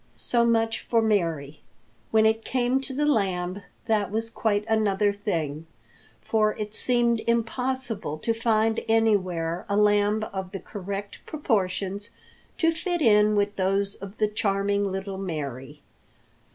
So much for Mary. When it came to the lamb, that was quite another thing, for it seemed impossible to find anywhere a lamb of the correct proportions to fit in with those of the charming little Mary.